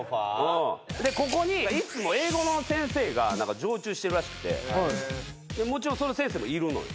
ここにいつも英語の先生が何か常駐しているらしくてもちろんその先生もいるのよ。